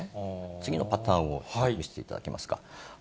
次のパターンを見せていただけますか。